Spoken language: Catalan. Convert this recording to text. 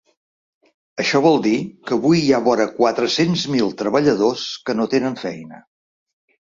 Això vol dir que avui hi ha vora quatre-cents mil treballadors que no tenen feina.